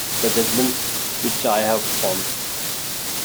the judgments which I have formed